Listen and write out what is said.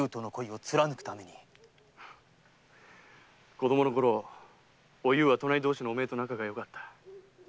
子供のころおゆうは隣同士のお前と仲がよかった。